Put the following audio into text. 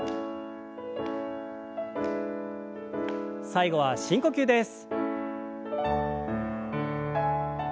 最後は深呼吸です。